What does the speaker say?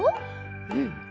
うん。